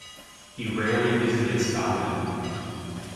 He rarely visited Scotland.